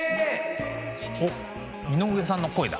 おっ井上さんの声だ。